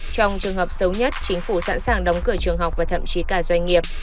trong trường hợp xấu nhất chính phủ sẵn sàng đóng cửa trường học và thậm chí cả doanh nghiệp